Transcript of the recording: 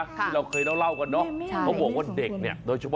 ที่เราเคยแล้วเล่ากันเนาะ